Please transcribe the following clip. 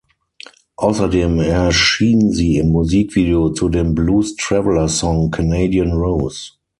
Außerdem erschien sie im Musikvideo zu dem Blues Traveler Song "Canadian Rose".